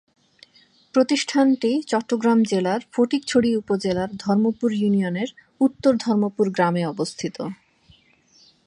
প্রতিষ্ঠানটি চট্টগ্রাম জেলার ফটিকছড়ি উপজেলার ধর্মপুর ইউনিয়নের উত্তর ধর্মপুর গ্রামে অবস্থিত।